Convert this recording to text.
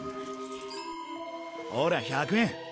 ほら１００円！